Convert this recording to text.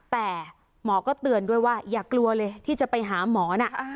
แต่หมอก็เตือนด้วยว่าอย่ากลัวเลยที่จะไปหาหมอนะ